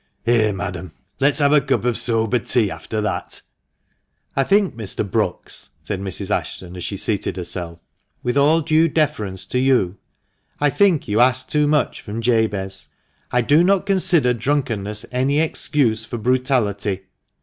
" Here, madam, let's have a cup of sober tea after that !"" I think, Mr. Brookes," said Mrs. Ashton, as she seated herself, "with all due deference to you — I think you ask too much from Jabez. I do not consider drunkenness any excuse for brutality."